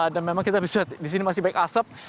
dan memang kita bisa lihat di sini masih banyak asap